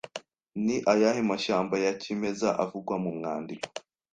Ni ayahe mashyamba ya kimeza avugwa mu mwandiko